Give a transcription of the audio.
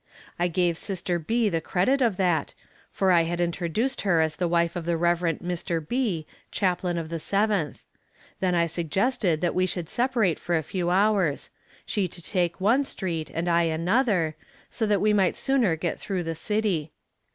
I gave Sister B. the credit of that, for I had introduced her as the wife of the Rev. Mr. B., chaplain of the 7th. Then I suggested that we should separate for a few hours she to take one street and I another, so that we might sooner get through the city.